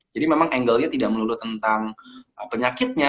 jadi memang angle nya tidak perlu tentang penyakitnya